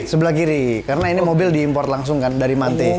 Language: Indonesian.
sebelah kiri karena ini mobil diimpor langsung kan dari mante